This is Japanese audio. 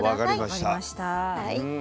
分かりました。